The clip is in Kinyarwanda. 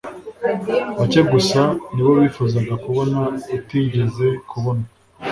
Bake gusa nibo bifuzaga kubona utigeze kubonwa